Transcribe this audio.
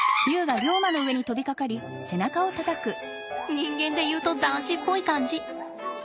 人間で言うと男子っぽい感じ。